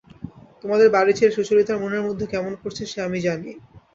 তোমাদের বাড়ি ছেড়ে সুচরিতার মনের মধ্যে কেমন করছে সে আমি জানি।